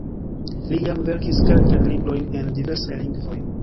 Li jam verkis kelkajn librojn en diversaj lingvoj.